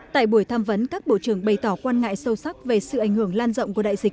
tại buổi tham vấn các bộ trưởng bày tỏ quan ngại sâu sắc về sự ảnh hưởng lan rộng của đại dịch